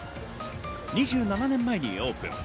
２７年前にオープン。